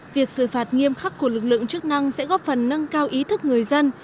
việc xử phạt nghiêm khắc của lực lượng chức năng sẽ góp phần nâng cao ý thức người dân